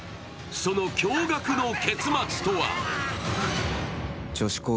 その驚がくの結末とは？